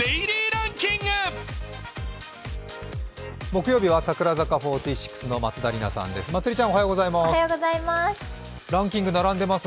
木曜日は櫻坂４６の松田里奈ちゃんです。